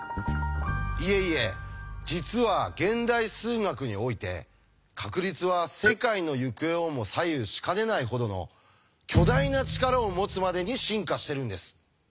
いえいえ実は現代数学において確率は世界の行方をも左右しかねないほどの巨大なチカラを持つまでに進化してるんです。